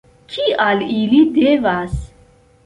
Kial ili devas?